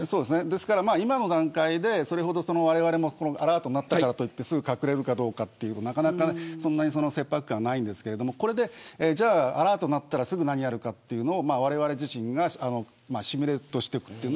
ですから、今の段階でわれわれもアラートが鳴ったからといってすぐ隠れるかどうかというとなかなかそんなに切迫感はないんですけどじゃあ、アラートが鳴ったらすぐ何をやるかというのをわれわれ自身がシミュレートしていく。